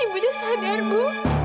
ibu sudah sadar bu